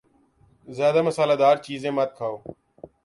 زیادہ مصالہ دار چیزیں مت کھاؤ